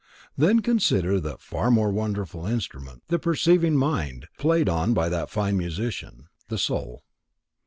Then consider that far more wonderful instrument, the perceiving mind, played on by that fine musician, the Soul.